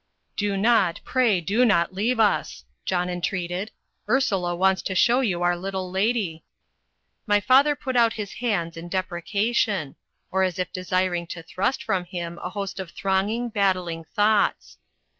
"Do not, pray do not leave us," John entreated; "Ursula wants to show you our little lady." My father put out his hands in deprecation; or as if desiring to thrust from him a host of thronging, battling thoughts.